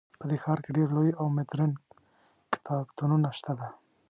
په دې ښار کې ډیر لوی او مدرن کتابتونونه شته